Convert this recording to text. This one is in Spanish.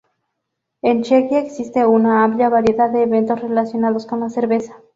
En Chequia existe una amplia variedad de eventos relacionados con la cerveza.